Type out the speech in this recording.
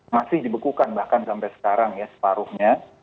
masih dibekukan bahkan sampai sekarang ya separuhnya